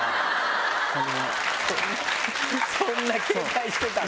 そんな警戒してたんだ。